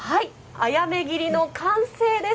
あやめ切りの完成です。